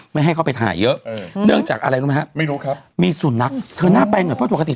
ไม่ให้เข้าไปถ่ายเยอะเนื่องจากอะไรรู้ไหมฮะไม่รู้ครับมีสุนัขเธอน่าไปเหมือนเพราะปกติ